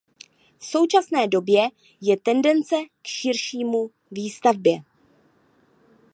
V současné době je tendence k širšímu výsadbě.